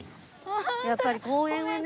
やっぱり公園はね